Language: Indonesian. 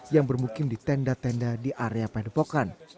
yang bermukim di tenda tenda di area padepokan